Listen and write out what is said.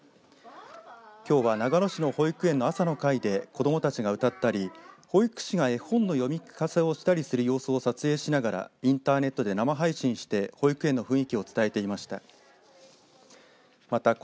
きょうは長野市の保育園の朝の会で子どもたちが歌ったり保育士が絵本の読み聞かせをしたりする様子を撮影しながらインターネットで生配信して保育園の雰囲気を伝えていました。